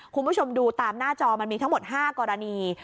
คุณผู้ชมดูตามหน้าจอมันมีทั้งหมด๕กรณี